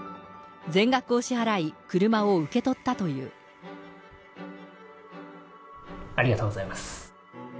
全額を支払い、車を受け取ったとありがとうございます。